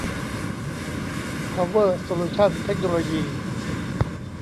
เพาเวอร์ โซลูชั่น เทคโนโลยี